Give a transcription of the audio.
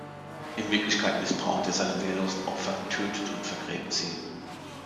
In Wirklichkeit missbraucht er seine wehrlosen Opfer, tötet und vergräbt sie.